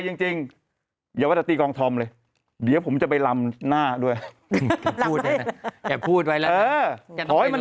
ยังจริงอย่าว่าจะตีกองทอมเลยเดี๋ยวผมจะไปลำหน้าด้วยอย่าพูดไว้แล้ว